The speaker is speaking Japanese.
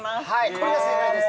これが正解です